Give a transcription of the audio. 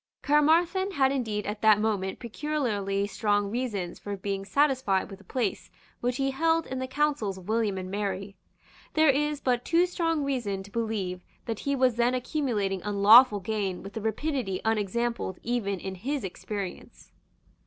Caermarthen had indeed at that moment peculiarly strong reasons for being satisfied with the place which he held in the counsels of William and Mary. There is but too strong reason to believe that he was then accumulating unlawful gain with a rapidity unexampled even in his experience.